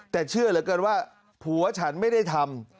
แต่เชื่อเหลือเกินว่าผัวฉันไม่ได้ทำ